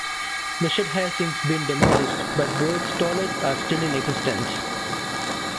The shed has since been demolished but Bert's toilets are still in existence.